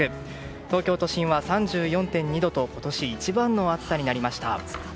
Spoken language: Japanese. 東京都心は３４．２度と今年一番の暑さになりました。